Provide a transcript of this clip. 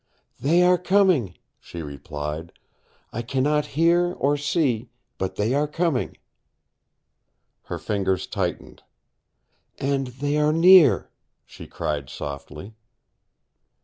"They are coming," she replied. "I cannot hear or see, but they are coming!" Her fingers tightened. "And they are near," she cried softly.